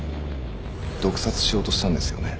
毒殺しようとしたんですよね。